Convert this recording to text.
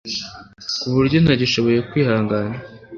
ku buryo ntagishoboye kwihangana